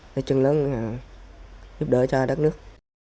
để trân lớn giúp đỡ cho đất nước